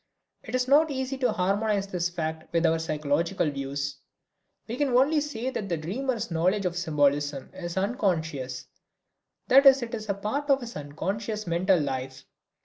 It is not easy to harmonize this fact with our psychological views. We can only say that the dreamer's knowledge of symbolism is unconscious, that it is a part of his unconscious mental life.